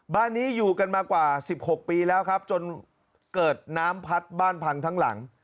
บ้านนี้อยู่กันมากว่า๑๖ปีแล้วครับจนเกิดน้ำพัดบ้านพังทั้งหลัง